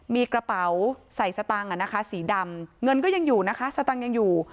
มีกระเป๋าใส่สตังค์สีดำเงินก็ยังอยู่นะคะสตังค์ยังอยู่